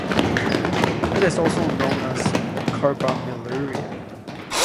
It is also known as carbamylurea.